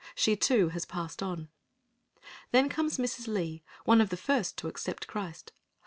She, too, has passed on. Then there comes Mrs. Lee—one of the first to accept Christ.